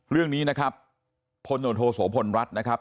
เรื่องนี้นะครับพลโนโทโสพลรัฐนะครับ